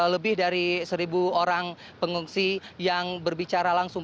lebih dari seribu orang pengungsi yang berbicara langsung